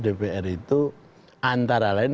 dpr itu antara lain